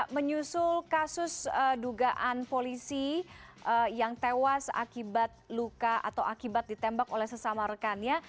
menyusul kasus dugaan polisi yang tewas akibat luka atau akibat ditembak oleh sesama rekannya